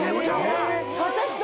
私と。